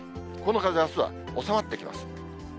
この風、あすは収まってきます。